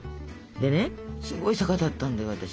でねすごい坂だったんだよ私。